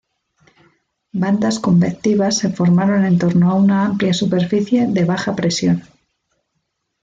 Bandas convectivas se formaron en torno a una amplia superficie de baja presión.